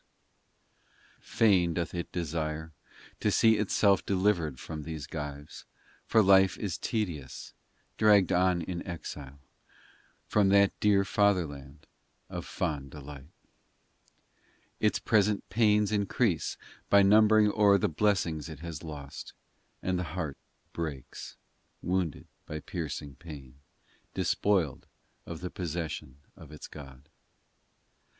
POEMS 305 ii Fain doth it desire To see itself delivered from these gyves, For life is tedious Dragged on in exile From that dear fatherland of fond delight ! in Its present pains increase By numbering o er the blessings it has lost And the heart breaks, Wounded by piercing pain, Despoiled of the possession of its God.